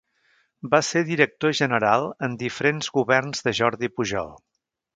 Va ser Director General en diferents governs de Jordi Pujol.